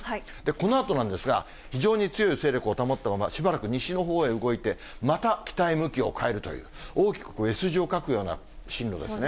このあとなんですが、非常に強い勢力を保ったまま、しばらく西の方へ動いて、また北へ向きを変えるという、大きくこれ、Ｓ字を書くような進路ですね。